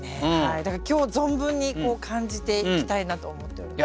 だから今日存分に感じていきたいなと思っております。